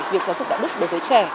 việc giáo dục đạo đức đối với trẻ